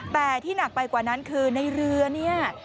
แต่ที่หนักไปกว่านั้นคือในเรือเนี่ย